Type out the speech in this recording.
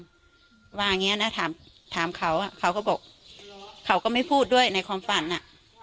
ว่าอย่างเงี้นะถามถามเขาอ่ะเขาก็บอกเขาก็ไม่พูดด้วยในความฝันอ่ะ